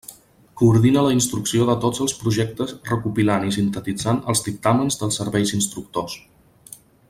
Coordina la instrucció de tots els projectes recopilant i sintetitzant els dictàmens dels serveis instructors.